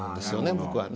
僕はね。